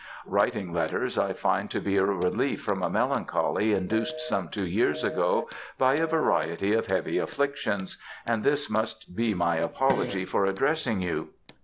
Writing letters I find to be a relief from a melancholy, induced some two years ago by a variety of heavy afflictions, and this must be my apology for addressing you.